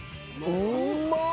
うまっ！